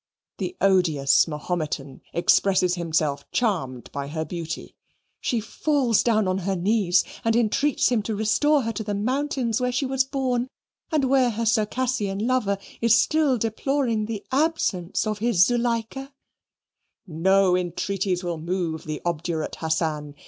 The odious Mahometan expresses himself charmed by her beauty. She falls down on her knees and entreats him to restore her to the mountains where she was born, and where her Circassian lover is still deploring the absence of his Zuleikah. No entreaties will move the obdurate Hassan.